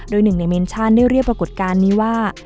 โดยหนึ่งในเมนชั่นได้เรียกปรากฏการณ์นี้ว่า